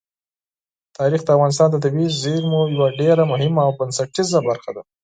تاریخ د افغانستان د طبیعي زیرمو یوه ډېره مهمه او بنسټیزه برخه ده.